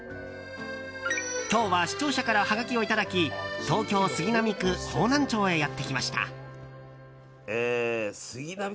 今日は視聴者からはがきをいただき東京・杉並区方南町へやってきました。